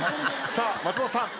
さあ松本さん。